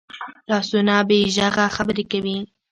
لاسونه بې غږه خبرې کوي